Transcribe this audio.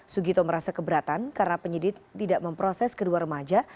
sugito merasa keberatan karena penyidik tidak memproses kedua remaja